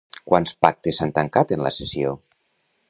Quants pactes s'han tancat en la sessió?